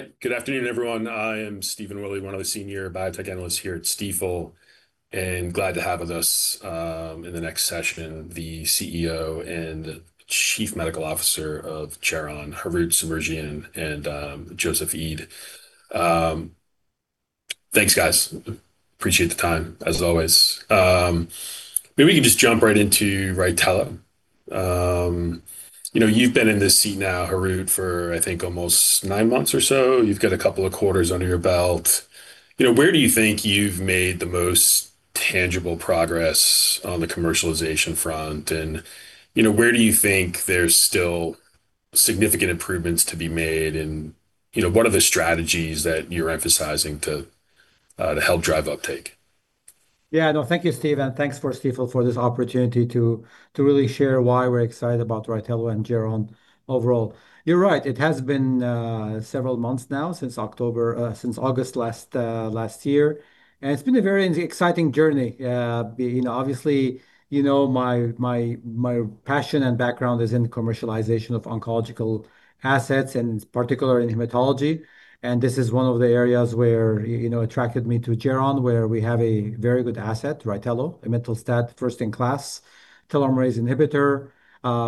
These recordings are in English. All right. Good afternoon, everyone. I am Stephen Willey, one of the senior biotech analysts here at Stifel, and glad to have with us in the next session, the CEO and Chief Medical Officer of Geron, Harout Semerjian and Joseph Eid. Thanks, guys. Appreciate the time, as always. Maybe we can just jump right into RYTELO. You've been in this seat now, Harout, for I think almost nine months or so. You've got a couple of quarters under your belt. Where do you think you've made the most tangible progress on the commercialization front, and where do you think there's still significant improvements to be made, and what are the strategies that you're emphasizing to help drive uptake? Yeah. No, thank you, Stephen, and thanks for Stifel for this opportunity to really share why we're excited about RYTELO and Geron overall. You're right. It has been several months now since August last year, and it's been a very exciting journey. Obviously, my passion and background is in commercialization of oncological assets, and particularly in hematology, and this is one of the areas where attracted me to Geron, where we have a very good asset, RYTELO, imetelstat, first-in-class telomerase inhibitor.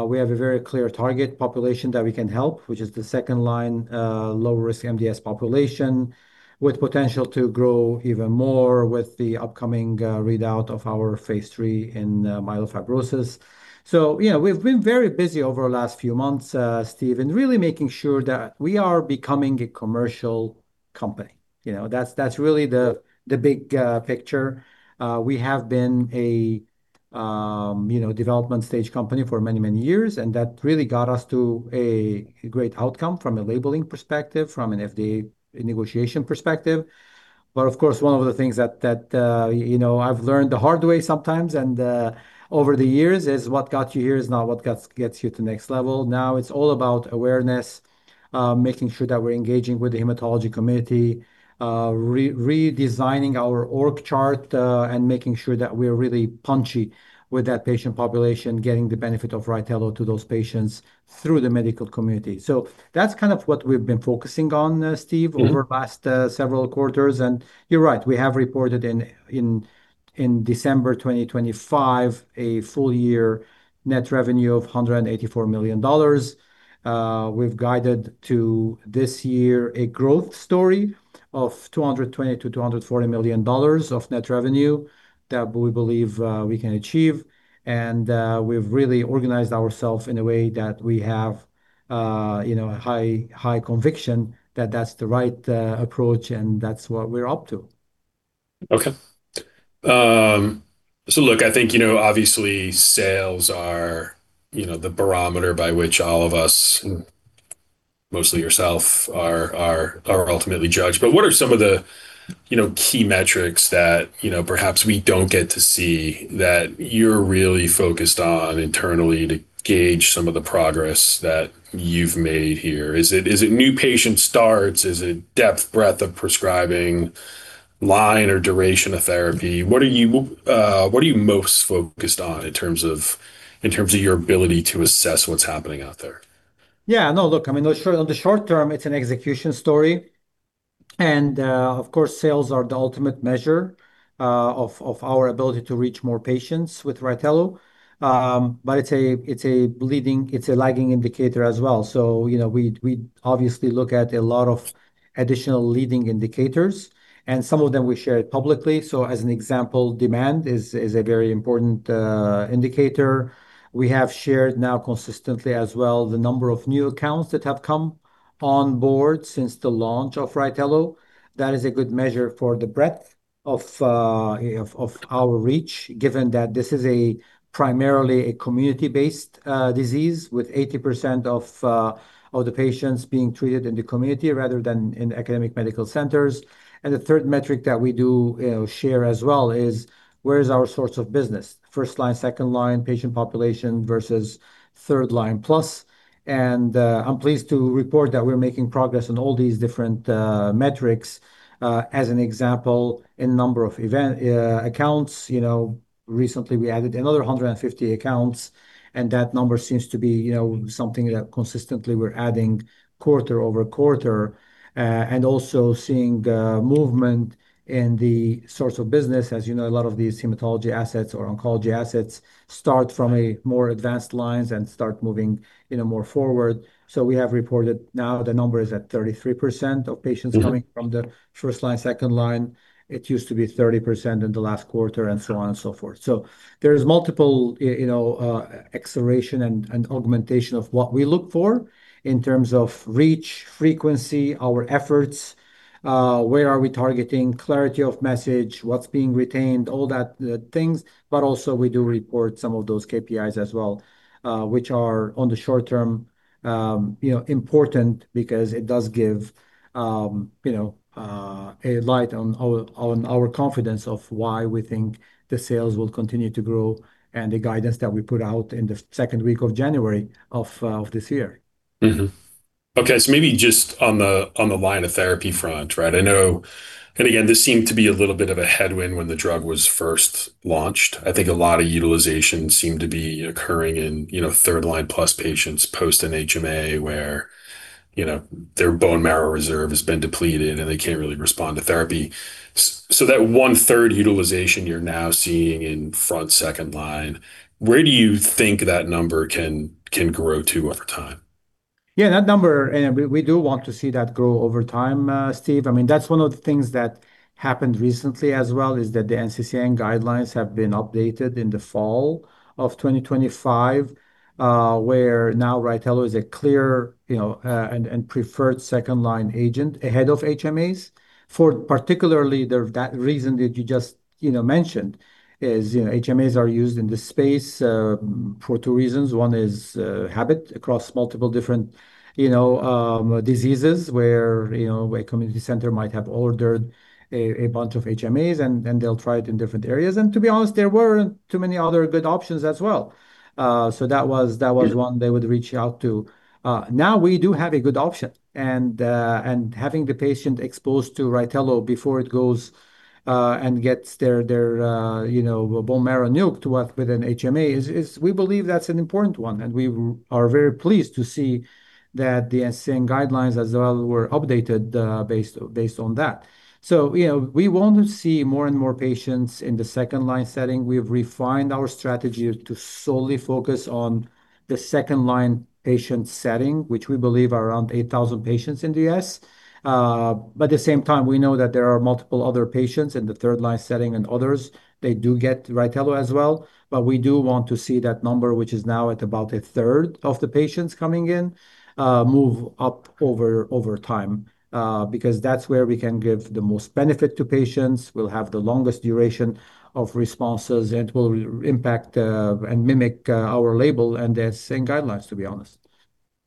We have a very clear target population that we can help, which is the second-line, low-risk MDS population, with potential to grow even more with the upcoming readout of our phase III in myelofibrosis. We've been very busy over the last few months, Stephen, in really making sure that we are becoming a commercial company. That's really the big picture. We have been a development stage company for many years, that really got us to a great outcome from a labeling perspective, from an FDA negotiation perspective. Of course, one of the things that I've learned the hard way, sometimes and over the years is what got you here is not what gets you to next level. Now it's all about awareness, making sure that we're engaging with the hematology community, redesigning our org chart, and making sure that we're really punchy with that patient population, getting the benefit of RYTELO to those patients through the medical community. That's kind of what we've been focusing on, Steve. Mm-hmm. Over the past several quarters, you're right. We have reported in December 2025 a full year net revenue of $184 million. We've guided to this year a growth story of $220 million-$240 million of net revenue that we believe we can achieve, and we've really organized ourselves in a way that we have high conviction that that's the right approach, and that's what we're up to. Okay. Look, I think obviously sales are the barometer by which all of us, mostly yourself, are ultimately judged. What are some of the key metrics that perhaps we don't get to see that you're really focused on internally to gauge some of the progress that you've made here? Is it new patient starts? Is it depth, breadth of prescribing, line or duration of therapy? What are you most focused on in terms of your ability to assess what's happening out there? Yeah. No, look, on the short term, it's an execution story. Of course, sales are the ultimate measure of our ability to reach more patients with RYTELO. It's a lagging indicator as well. We obviously look at a lot of additional leading indicators, some of them we shared publicly. As an example, demand is a very important indicator. We have shared now consistently as well the number of new accounts that have come on board since the launch of RYTELO. That is a good measure for the breadth of our reach, given that this is primarily a community-based disease with 80% of the patients being treated in the community rather than in academic medical centers. The third metric that we do share as well is where is our source of business: First-Line, Second-Line patient population versus Third-Line plus. I'm pleased to report that we're making progress on all these different metrics. As an example, in number of accounts, recently we added another 150 accounts, and that number seems to be something that consistently we're adding quarter-over-quarter. Also seeing movement in the source of business. As you know, a lot of these hematology assets or oncology assets start from more advanced lines and start moving more forward. We have reported now the number is at 33% of patients coming from the First-Line, Second-Line. It used to be 30% in the last quarter, and so on and so forth. There is multiple acceleration and augmentation of what we look for in terms of reach, frequency, our efforts, where are we targeting, clarity of message, what's being retained, all that things. Also we do report some of those KPIs as well, which are on the short term important because it does give a light on our confidence of why we think the sales will continue to grow and the guidance that we put out in the second week of January of this year. Mm-hmm. Okay. Maybe just on the line of therapy front, right? I know, and again, this seemed to be a little bit of a headwind when the drug was first launched. I think a lot of utilization seemed to be occurring in Third-Line Plus patients post an HMA, where their bone marrow reserve has been depleted, and they can't really respond to therapy. That 1/3 utilization you're now seeing in front second-line, where do you think that number can grow to over time? Yeah, that number, we do want to see that grow over time, Steve. That's one of the things that happened recently as well is that the NCCN guidelines have been updated in the fall of 2025, where now, RYTELO is a clear and preferred second-line agent ahead of HMAs. For particularly that reason that you just mentioned is HMAs are used in this space for two reasons. One is habit across multiple different diseases, where a community center might have ordered a bunch of HMAs, then they'll try it in different areas. To be honest, there weren't too many other good options as well. That was one they would reach out to. Now we do have a good option, and having the patient exposed to RYTELO before it goes and gets their bone marrow nuked with an HMA is, we believe that's an important one, and we are very pleased to see that the NCCN guidelines as well were updated based on that. We want to see more and more patients in the second-line setting. We've refined our strategy to solely focus on the second-line patient setting, which we believe are around 8,000 patients in the U.S. At the same time, we know that there are multiple other patients in the third-line setting and others, they do get RYTELO as well. We do want to see that number, which is now at about 1/3 of the patients coming in, move up over time because that's where we can give the most benefit to patients, we'll have the longest duration of responses, and it will impact and mimic our label and the NCCN guidelines, to be honest.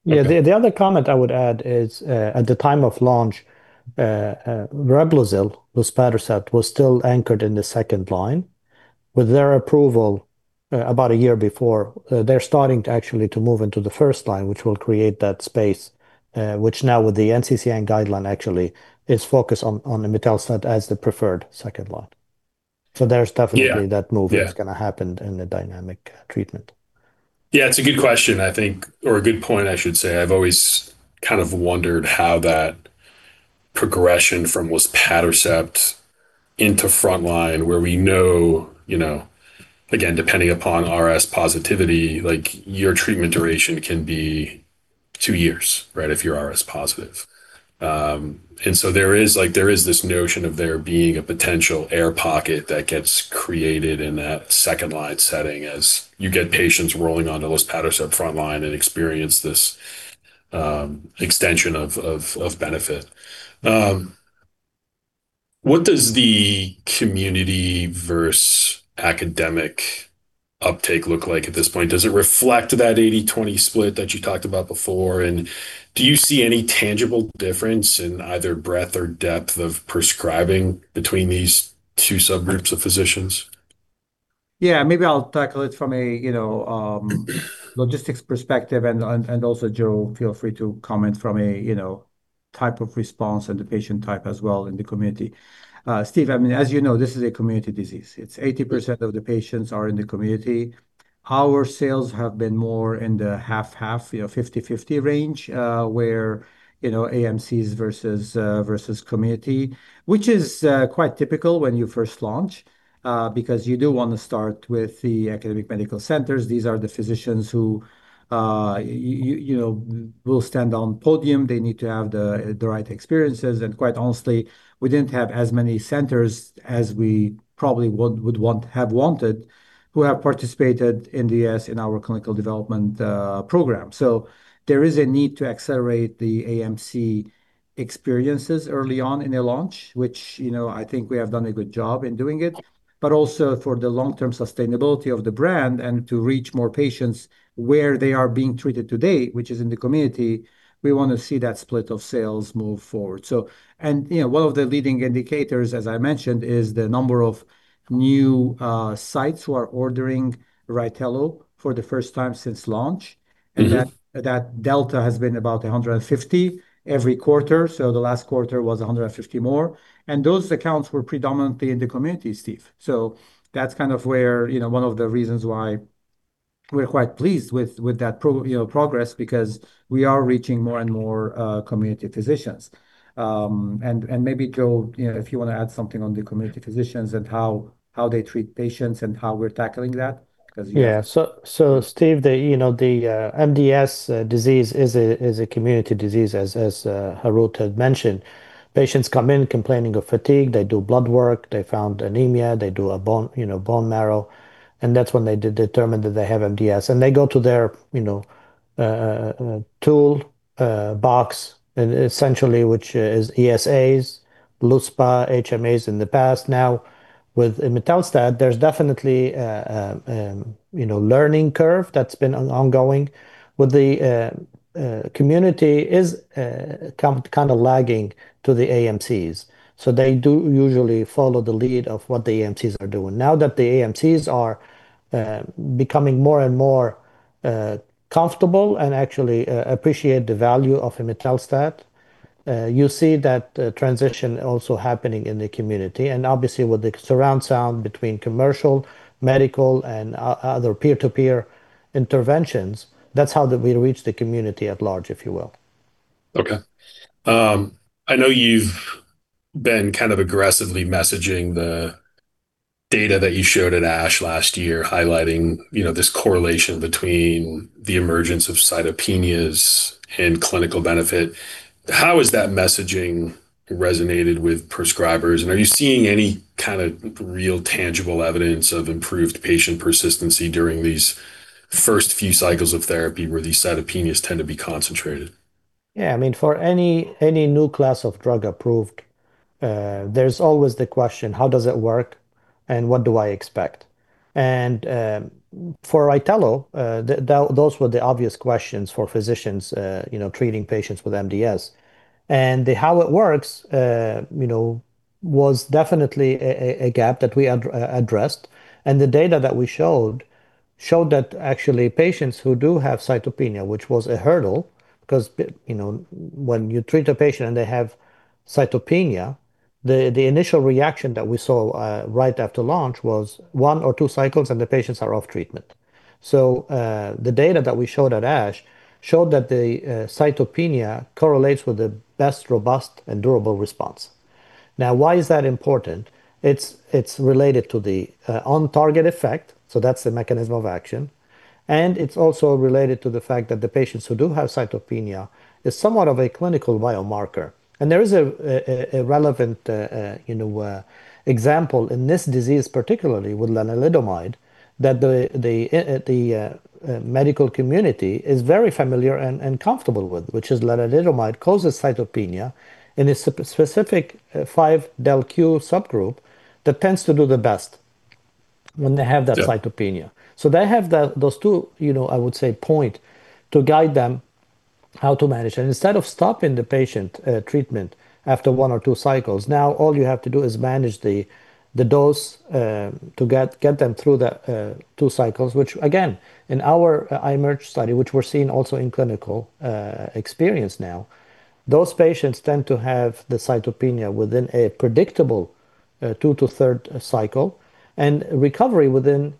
Okay. Yeah. The other comment I would add is, at the time of launch, Reblozyl, luspatercept-aamt, was still anchored in the Second-Line. With their approval about a year before, they're starting to actually to move into the First-Line, which will create that space, which now with the NCCN guideline actually is focused on imetelstat as the preferred Second-Line. Yeah. That move is going to happen in the dynamic treatment. Yeah, it's a good question, I think, or a good point, I should say. I've always kind of wondered how that progression from luspatercept-aamt into front line where we know, again, depending upon RS positivity, your treatment duration can be two years, right, if you're RS positive. There is this notion of there being a potential air pocket that gets created in that second-line setting as you get patients rolling onto luspatercept front line and experience this extension of benefit. What does the community versus academic uptake look like at this point? Does it reflect that 80/20 split that you talked about before? Do you see any tangible difference in either breadth or depth of prescribing between these two subgroups of physicians? Maybe I'll tackle it from a logistics perspective, and also, Joe, feel free to comment from a type of response and the patient type as well in the community. Steve, as you know, this is a community disease. 80% of the patients are in the community. Our sales have been more in the 50/50 range, where AMCs versus community, which is quite typical when you first launch, because you do want to start with the academic medical centers. These are the physicians who will stand on podium. They need to have the right experiences, and quite honestly, we didn't have as many centers as we probably would have wanted who have participated in the U.S. in our clinical development program. There is a need to accelerate the AMC experiences early on in a launch, which I think we have done a good job in doing it, but also for the long-term sustainability of the brand and to reach more patients where they are being treated today, which is in the community, we want to see that split of sales move forward. One of the leading indicators, as I mentioned, is the number of new sites who are ordering RYTELO for the first time since launch. Mm-hmm. That delta has been about 150 every quarter, so the last quarter was 150 more, and those accounts were predominantly in the community, Steve. That's kind of where one of the reasons why we're quite pleased with that progress because we are reaching more and more community physicians. Maybe Joe, if you want to add something on the community physicians and how they treat patients and how we're tackling that. Yeah. Stephen, the MDS disease is a community disease, as Harout had mentioned. Patients come in complaining of fatigue. They do blood work. They found anemia. They do a bone marrow, that's when they determine that they have MDS. They go to their toolbox, essentially, which is ESAs, luspatercept-aamt, HMAs in the past. Now with imetelstat, there's definitely a learning curve that's been ongoing; the community is kind of lagging to the AMCs. They do usually follow the lead of what the AMCs are doing. Now that the AMCs are becoming more and more comfortable and actually appreciate the value of imetelstat. You see that transition also happening in the community, obviously with the surround sound between commercial, medical, and other peer-to-peer interventions, that's how we reach the community at large, if you will. Okay. I know you've been kind of aggressively messaging the data that you showed at ASH last year, highlighting this correlation between the emergence of cytopenias and clinical benefit. How has that messaging resonated with prescribers, and are you seeing any kind of real tangible evidence of improved patient persistency during these first few cycles of therapy where these cytopenias tend to be concentrated? Yeah, for any new class of drug approved, there's always the question, how does it work and what do I expect? For RYTELO, those were the obvious questions for physicians treating patients with MDS. The how it works was definitely a gap that we addressed, and the data that we showed that actually patients who do have cytopenia, which was a hurdle, because when you treat a patient, and they have cytopenia, the initial reaction that we saw right after launch was one or two cycles and the patients are off treatment. The data that we showed at ASH showed that the cytopenia correlates with the best robust and durable response. Now, why is that important? It's related to the on-target effect, so that's the mechanism of action, and it's also related to the fact that the patients who do have cytopenia is somewhat of a clinical biomarker. There is a relevant example in this disease, particularly with lenalidomide, that the medical community is very familiar and comfortable with, which is lenalidomide causes cytopenia in a specific del(5q) subgroup that tends to do the best when they have that cytopenia. Yeah. They have those two, I would say, point to guide them how to manage. Instead of stopping the patient treatment after one or two cycles, now all you have to do is manage the dose to get them through the two cycles, which again, in our IMerge study, which we're seeing also in clinical experience now, those patients tend to have the cytopenia within a predictable two to third cycle, and recovery within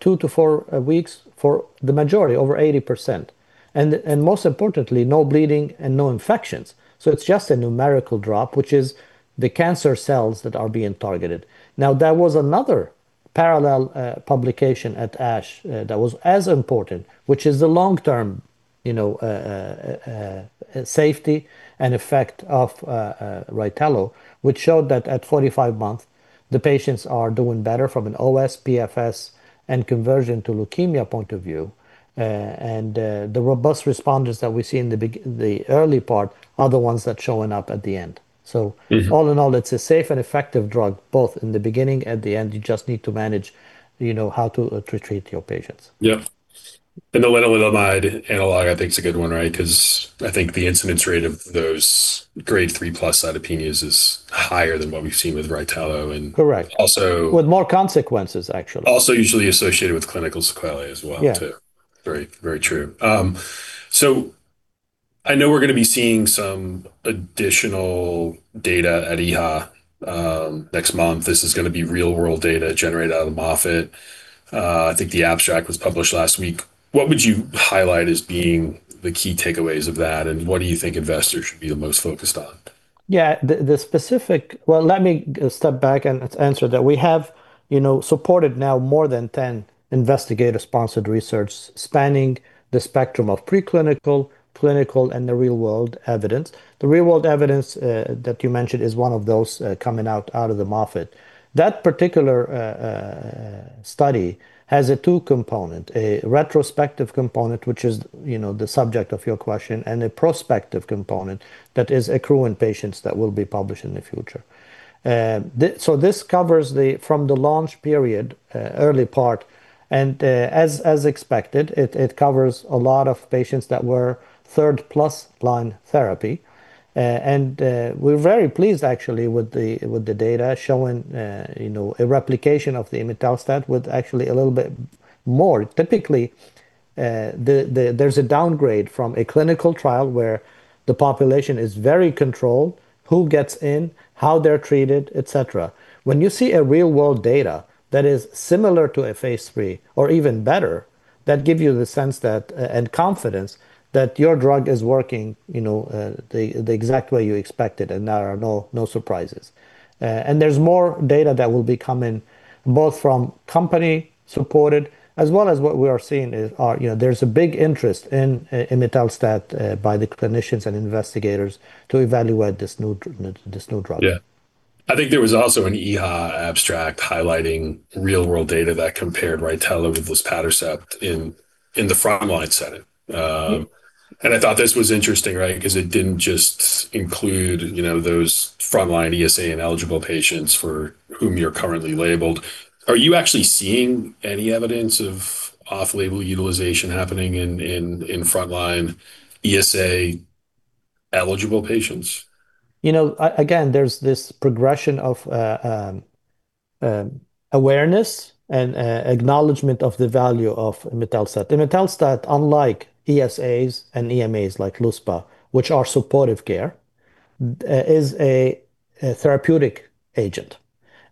two to four weeks for the majority, over 80%. Most importantly, no bleeding and no infections. It's just a numerical drop, which is the cancer cells that are being targeted. There was another parallel publication at ASH that was as important, which is the long-term safety and effect of RYTELO, which showed that at 45 months, the patients are doing better from an OS, PFS, and conversion to leukemia point of view. The robust responders that we see in the early part are the ones that's showing up at the end. All in all, it's a safe and effective drug, both in the beginning and the end. You just need to manage how to treat your patients. Yeah. The lenalidomide analog I think is a good one, right? Because I think the incidence rate of those grade 3-plus cytopenias is higher than what we've seen with RYTELO. Correct. Also? With more consequences, actually. Also usually associated with clinical sequelae as well too. Yeah. Great. Very true. I know we're going to be seeing some additional data at EHA next month. This is going to be real-world data generated out of the Moffitt Cancer Center. I think the abstract was published last week. What would you highlight as being the key takeaways of that, and what do you think investors should be the most focused on? Yeah, well, let me step back and answer that. We have supported now more than 10 investigator-sponsored research spanning the spectrum of preclinical, clinical, and the real-world evidence. The real-world evidence that you mentioned is one of those coming out of the Moffitt. That particular study has a two component, a retrospective component, which is the subject of your question, and a prospective component that is accruing patients that will be published in the future. This covers from the launch period, early part, and as expected, it covers a lot of patients that were third-plus line therapy. We're very pleased, actually, with the data showing a replication of the imetelstat with actually a little bit more. Typically, there's a downgrade from a clinical trial where the population is very controlled, who gets in, how they're treated, et cetera. When you see a real-world data that is similar to a phase III or even better, that give you the sense that, and confidence that your drug is working the exact way you expect it and there are no surprises. There's more data that will be coming both from company supported as well as what we are seeing is there's a big interest in imetelstat by the clinicians and investigators to evaluate this new drug. Yeah. I think there was also an EHA abstract highlighting real-world data that compared RYTELO with luspatercept in the frontline setting. I thought this was interesting, right? It didn't just include those frontline ESA and eligible patients for whom you're currently labeled. Are you actually seeing any evidence of off-label utilization happening in frontline ESA-eligible patients? Again, there's this progression of awareness and acknowledgement of the value of imetelstat. Imetelstat, unlike ESAs and EMAs like luspatercept, which are supportive care, is a therapeutic agent.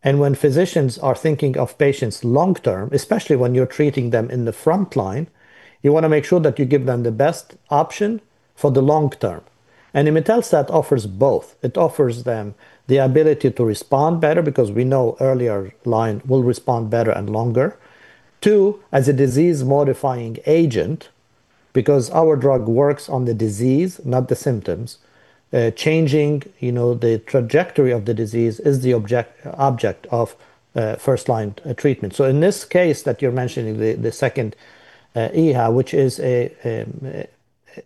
When physicians are thinking of patients long-term, especially when you're treating them in the frontline, you want to make sure that you give them the best option for the long term. Imetelstat offers both. It offers them the ability to respond better because we know earlier line will respond better and longer. Two, as a disease-modifying agent because our drug works on the disease, not the symptoms. Changing the trajectory of the disease is the object of first-line treatment. In this case that you're mentioning, the second EHA, which is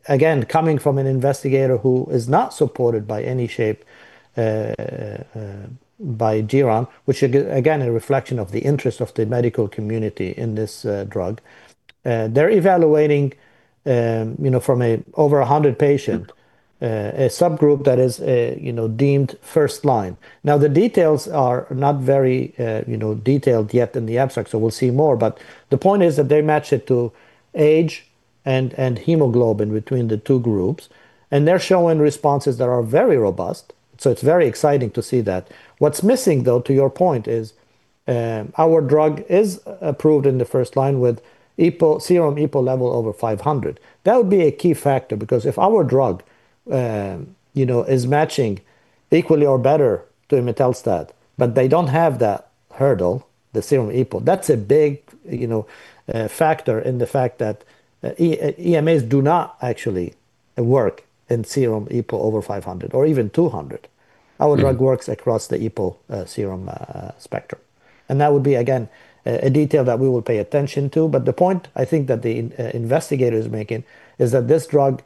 again coming from an investigator who is not supported by any shape by Geron, which again, a reflection of the interest of the medical community in this drug. They're evaluating from over 100 patients, a subgroup that is deemed First-Line. The details are not very detailed yet in the abstract, so we'll see more. The point is that they match it to age and hemoglobin between the two groups, and they're showing responses that are very robust, so it's very exciting to see that. What's missing, though, to your point, is our drug is approved in the First-Line with serum EPO level over 500. That would be a key factor because if our drug is matching equally or better to imetelstat, but they don't have that hurdle, the serum EPO, that's a big factor in the fact that ESAs do not actually work in serum EPO over 500 or even 200. Our drug works across the EPO serum spectrum, and that would be again, a detail that we will pay attention to. The point I think that the investigator is making is that this drug,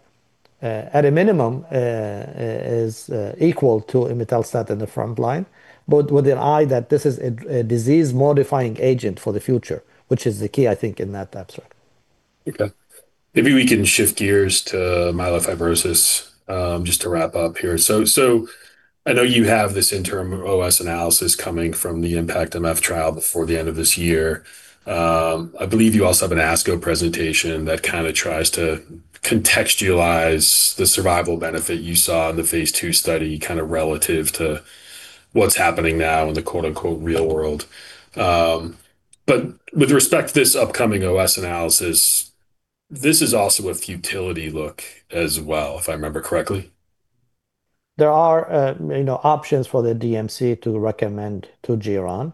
at a minimum, is equal to imetelstat in the front line, but with an eye that this is a disease-modifying agent for the future, which is the key, I think, in that abstract. Okay. Maybe we can shift gears to myelofibrosis just to wrap up here. I know you have this interim OS analysis coming from the IMpactMF trial before the end of this year. I believe you also have an ASCO presentation that tries to contextualize the survival benefit you saw in the phase II study, relative to what's happening now in the clinical "real world." With respect to this upcoming OS analysis, this is also a futility look as well, if I remember correctly? There are options for the DMC to recommend to Geron.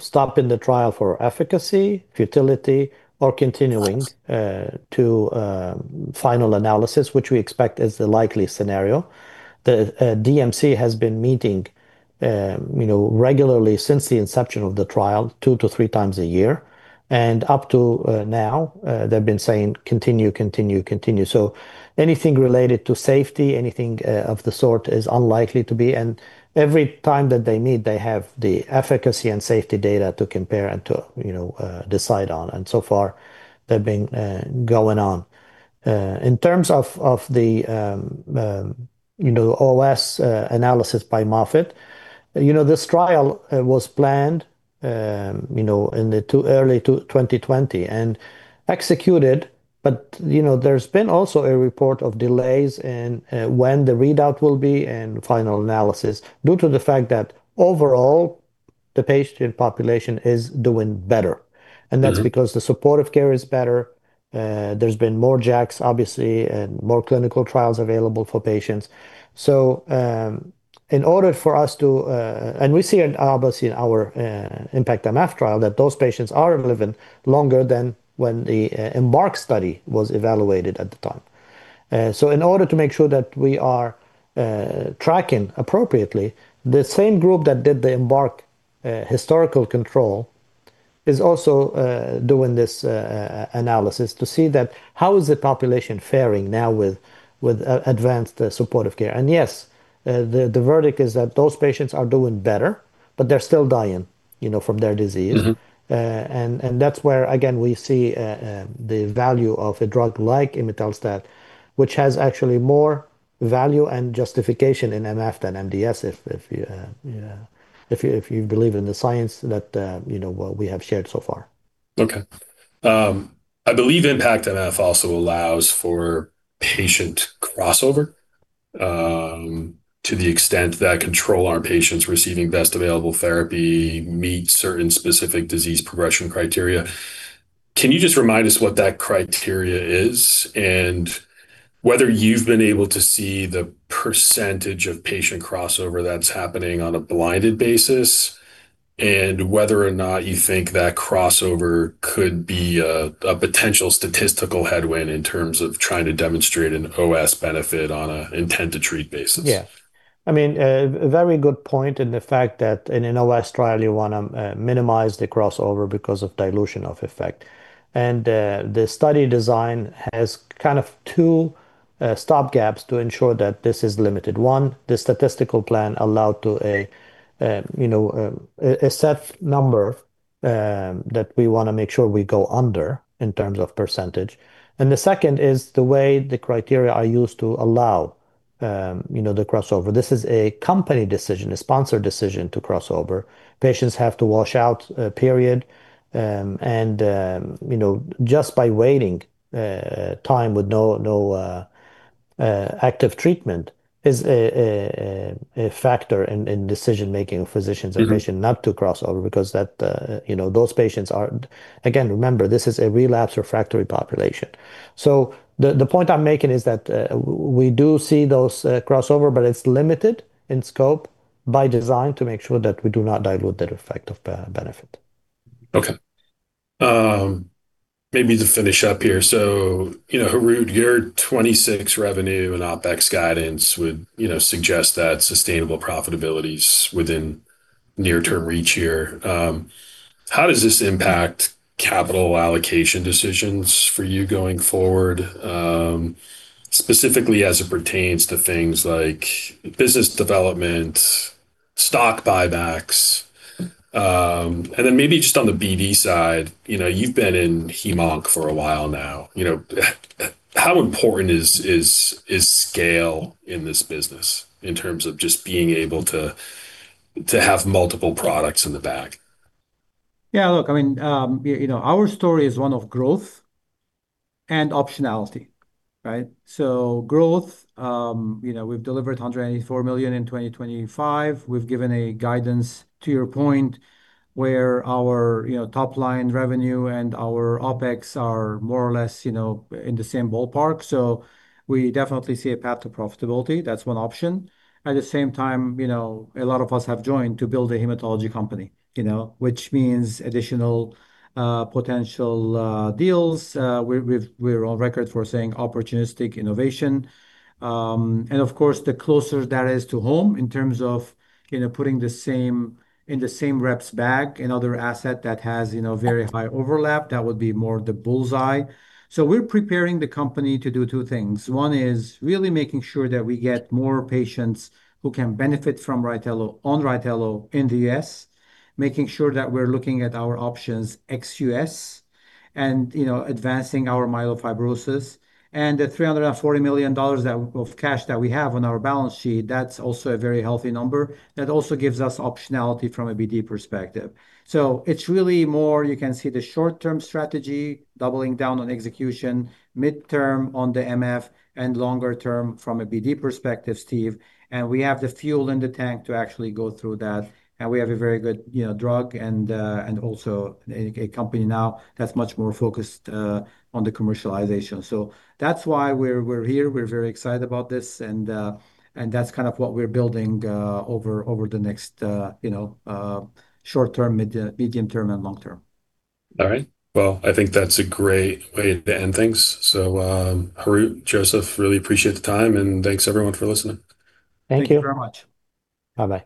Stopping the trial for efficacy, futility, or continuing to final analysis, which we expect is the likely scenario. The DMC has been meeting regularly since the inception of the trial, two to three times a year, and up to now, they've been saying continue. Anything related to safety, anything of the sort is unlikely to be, and every time that they meet, they have the efficacy and safety data to compare and to decide on, and so far they've been going on. In terms of the OS analysis by Moffitt, this trial was planned in the early 2020 and executed, but there's been also a report of delays in when the readout will be and final analysis due to the fact that overall, the patient population is doing better. That's because the supportive care is better. There's been more JAKs, obviously, and more clinical trials available for patients. We see obviously in our IMpactMF trial that those patients are living longer than when the IMbark study was evaluated at the time. In order to make sure that we are tracking appropriately, the same group that did the IMbark historical control is also doing this analysis to see that how is the population faring now with advanced supportive care. Yes, the verdict is that those patients are doing better, but they're still dying from their disease. That's where, again, we see the value of a drug like imetelstat, which has actually more value and justification in MF than MDS if you believe in the science that we have shared so far. Okay. I believe IMpactMF also allows for patient crossover to the extent that control arm patients receiving best available therapy meet certain specific disease progression criteria. Can you just remind us what that criteria is and whether you've been able to see the percentage of patient crossover that's happening on a blinded basis, and whether or not you think that crossover could be a potential statistical headwind in terms of trying to demonstrate an OS benefit on an intent-to-treat basis? Yeah. A very good point in the fact that in an OS trial you want to minimize the crossover because of dilution of effect. The study design has two stopgaps to ensure that this is limited. One, the statistical plan allowed to a set number that we want to make sure we go under in terms of percentage. The second is the way the criteria are used to allow the crossover. This is a company decision, a sponsor decision to crossover. Patients have to wash out a period, and just by waiting, time with no active treatment is a factor in decision-making of physicians and patient not to crossover. Again, remember, this is a relapsed refractory population. The point I'm making is that we do see those crossover, but it's limited in scope by design to make sure that we do not dilute that effect of benefit. Okay. Maybe to finish up here, Harout, your 2026 revenue and OpEx guidance would suggest that sustainable profitability's within near-term reach here. How does this impact capital allocation decisions for you going forward, specifically as it pertains to things like business development, stock buybacks? Maybe just on the BD side, you've been in [hematology-oncology] hem/onc for a while now. How important is scale in this business in terms of just being able to have multiple products in the bag? Yeah, look, our story is one of growth and optionality, right? Growth, we've delivered $184 million in 2025. We've given a guidance to your point, where our top-line revenue and our OpEx are more or less in the same ballpark. We definitely see a path to profitability. That's one option. At the same time, a lot of us have joined to build a hematology company, which means additional potential deals. We're on record for saying opportunistic innovation. Of course, the closer that is to home in terms of putting in the same reps back, another asset that has very high overlap, that would be more the bullseye. We're preparing the company to do two things. One is really making sure that we get more patients who can benefit from RYTELO on RYTELO in the U.S., making sure that we're looking at our options ex-U.S., and advancing our myelofibrosis. The $340 million of cash that we have on our balance sheet, that's also a very healthy number. That also gives us optionality from a BD perspective. It's really more you can see the short-term strategy doubling down on execution, mid-term on the MF, and longer-term from a BD perspective, Steve. We have the fuel in the tank to actually go through that, and we have a very good drug and also a company now that's much more focused on the commercialization. That's why we're here. We're very excited about this, and that's kind of what we're building over the next short-term, medium-term, and long-term. All right. Well, I think that's a great way to end things. Harout, Joseph, really appreciate the time, and thanks everyone for listening. Thank you. Thank you very much. Bye-bye.